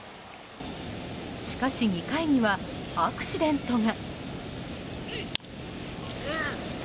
しかし２回にはアクシデントが。